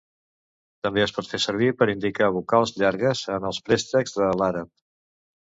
També es pot fer servir per indicar vocals llargues en els préstecs de l'àrab.